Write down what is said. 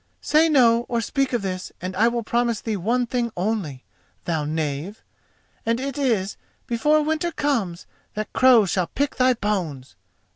"Say no or speak of this and I will promise thee one thing only, thou knave, and it is, before winter comes, that the crows shall pick thy bones!